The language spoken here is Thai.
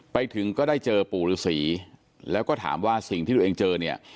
ไปถึงก็ได้เจอปู่ฤษีแล้วก็ถามว่าสิ่งที่ตัวเองเจอเนี่ย